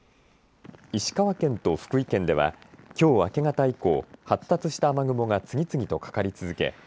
石川県と福井県ではきょう明け方以降発達した雨雲が次々とかかり続け